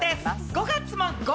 ５月もゴ！